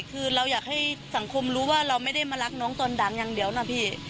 คือเราอยากให้สังคมรู้ว่าเราไม่ได้มารักน้องตอนดังอย่างเดียวนะพี่